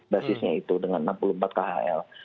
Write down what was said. basisnya itu dengan enam puluh empat khl